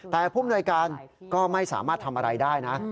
แต่ผู้มนวยการก็ไม่สามารถทำอะไรได้นะ